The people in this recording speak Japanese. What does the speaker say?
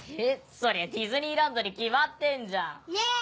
そりゃディズニーランドに決まってんじゃん。イェイ！